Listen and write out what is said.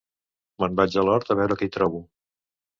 Me'n vaig a l'hort a veure què hi trobo